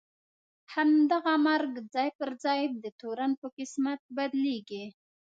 همدغه مرګ ځای پر ځای د تورن په قسمت بدلېږي.